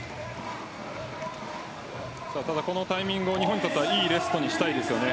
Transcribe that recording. ただ、このタイミング日本にとって良いレストにしたいですよね。